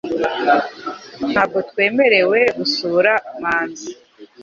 Ntabwo twemerewe gusura manzi